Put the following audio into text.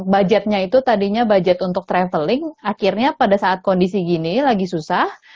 budgetnya itu tadinya budget untuk traveling akhirnya pada saat kondisi gini lagi susah